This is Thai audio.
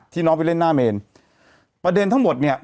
น้องไปเล่นหน้าเมนประเด็นทั้งหมดเนี่ย